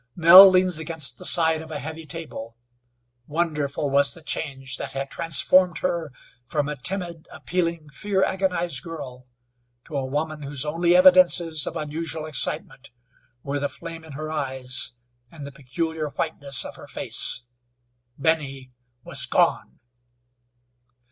Nell leaned against the side of a heavy table. Wonderful was the change that had transformed her from a timid, appealing, fear agonized girl to a woman whose only evidence of unusual excitement were the flame in her eyes and the peculiar whiteness of her face. Benny was gone!